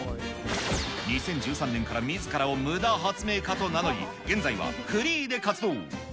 ２０１３年から、みずからをむだ発明家と名乗り、現在はフリーで活動。